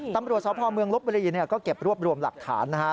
ตำรวจศาสตร์พ่อเมืองลบเวลีก็เก็บรวบรวมหลักฐานนะฮะ